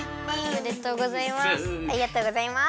おめでとうございます。